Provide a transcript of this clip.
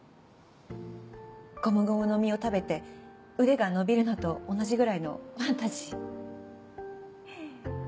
ゴムゴムの実を食べて腕が伸びるのと同じぐらいのファンタジー。